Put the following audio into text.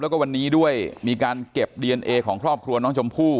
แล้วก็วันนี้ด้วยมีการเก็บดีเอนเอของครอบครัวน้องชมพู่